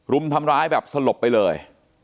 รุมทำร้ายแบบสลบไปเลย